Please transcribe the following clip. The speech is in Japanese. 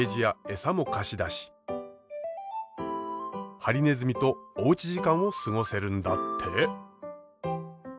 ハリネズミとおうち時間を過ごせるんだって。